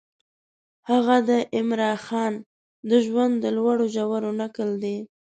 هغه د عمرا خان د ژوند د لوړو ژورو نکل دی.